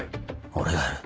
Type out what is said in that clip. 俺がやる。